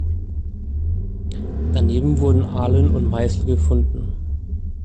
Daneben wurden Ahlen und Meißel gefunden.